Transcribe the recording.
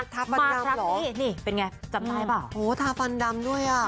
ทาฟันดำเหรอโอ้โฮทาฟันดำด้วยอ่ะโอ้โฮทาฟันดำด้วยอ่ะ